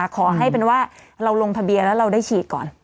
ขอให้เป็นว่าเราลงทะเบียนแล้วเราได้ฉีดก่อน